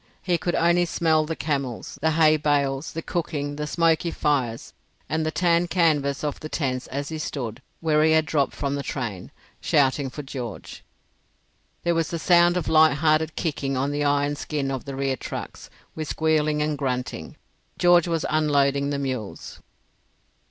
He could only smell the camels, the hay bales, the cooking, the smoky fires, and the tanned canvas of the tents as he stood, where he had dropped from the train, shouting for George. There was a sound of light hearted kicking on the iron skin of the rear trucks, with squealing and grunting. George was unloading the mules.